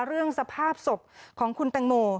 เรื่องสภาพศพของคุณแตงโม